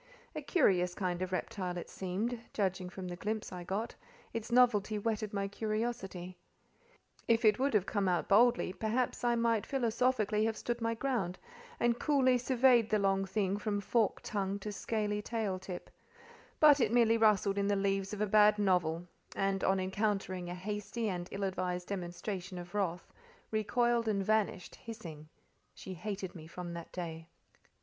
A curious kind of reptile it seemed, judging from the glimpse I got; its novelty whetted my curiosity: if it would have come out boldly, perhaps I might philosophically have stood my ground, and coolly surveyed the long thing from forked tongue to scaly tail tip; but it merely rustled in the leaves of a bad novel; and, on encountering a hasty and ill advised demonstration of wrath, recoiled and vanished, hissing. She hated me from that day.